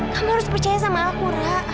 kamu harus percaya sama aku ra